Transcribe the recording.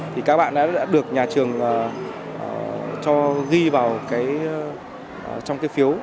thì các bạn đã được nhà trường cho ghi vào trong cái phiếu